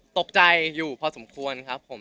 ตกใจอยู่พอสมควรครับผม